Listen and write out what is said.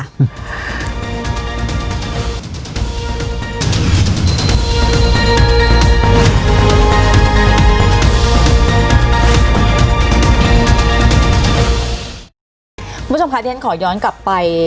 คุณผู้ชมคะที่ฉันขอย้อนกลับไป